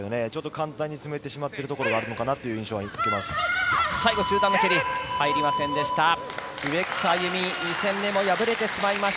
簡単に詰めてしまってるところがあるのかなという印象です。